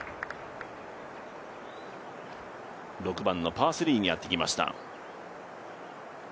６番のパー３にやってきました。